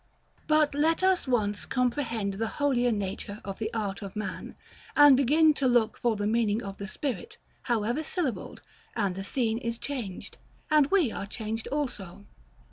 But let us once comprehend the holier nature of the art of man, and begin to look for the meaning of the spirit, however syllabled, and the scene is changed; and we are changed also.